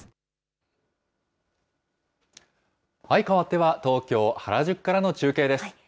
変わっては、東京・原宿からの中継です。